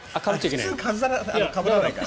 普通、かぶらないから。